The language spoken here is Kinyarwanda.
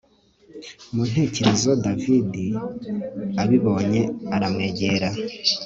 muntekerezo david abibonye aramwegera